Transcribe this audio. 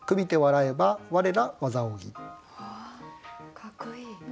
かっこいい。